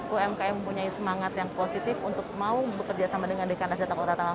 umkm mempunyai semangat yang positif untuk mau bekerjasama dengan dekat asetak kota tanggerang